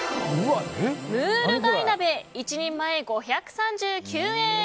ムール貝鍋１人前、５３９円。